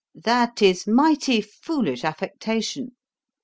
'That is mighty foolish affectation.